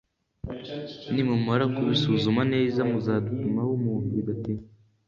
nimumara kubisuzuma neza muzadutumaho umuntu bidatinze